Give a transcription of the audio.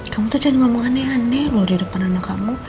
kamu tuh jangan ngomong aneh aneh lho di depan anak kamu